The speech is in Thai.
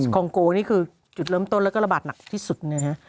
คองโกนี่คือจุดเริ่มต้นแล้วก็ระบาดหนักที่สุดนะฮะ